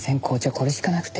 これしかなくて。